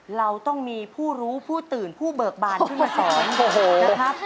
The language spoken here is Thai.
เราต้องมีผู้รู้ผู้ตื่นผู้เบิกบานขึ้นมาสอนนะครับ